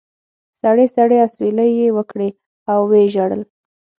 سړې سړې اسوېلې یې وکړې او و یې ژړل.